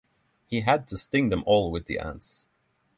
He had to sting them all with the ants.